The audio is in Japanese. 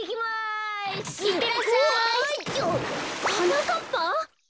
はなかっぱ！？